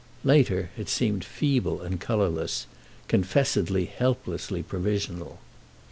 Later it seemed feeble and colourless—confessedly helplessly provisional.